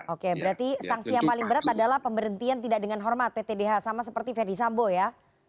oke berarti sanksi yang paling berat adalah pemberhentian tidak dengan hormat pt dh sama seperti fedy sambo ya